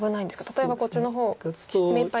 例えばこっちの方目いっぱい。